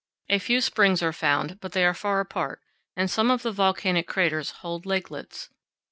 A few springs are found, but they are far apart, and some of the volcanic craters hold lakelets.